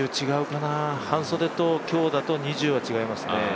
違うかな、半袖と今日だと２０は違いますね。